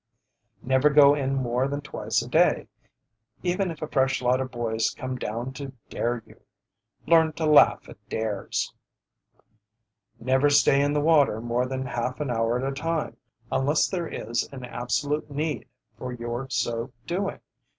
Never go in more than twice a day, even if a fresh lot of boys come down to "dare" you. Learn to laugh at dares. Never stay in the water more than half an hour at a time, unless there is an absolute need for your so doing.